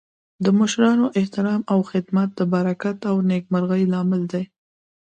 د مشرانو احترام او خدمت د برکت او نیکمرغۍ لامل دی.